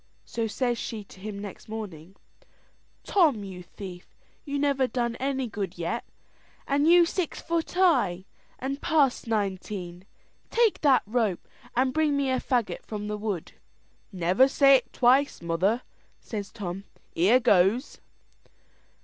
So says she to him next morning, "Tom, you thief, you never done any good yet, and you six foot high, and past nineteen; take that rope and bring me a faggot from the wood." "Never say't twice, mother," says Tom "here goes."